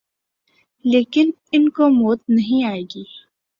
لیکن ان کوموت نہیں آئے گی